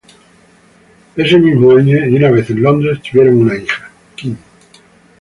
Ese mismo año, y una vez en Londres, tuvieron una hija, Kim.